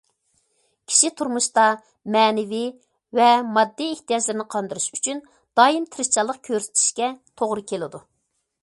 كىشى تۇرمۇشتا مەنىۋى ۋە ماددىي ئېھتىياجلىرىنى قاندۇرۇش ئۈچۈن دائىم تىرىشچانلىق كۆرسىتىشىگە توغرا كېلىدۇ.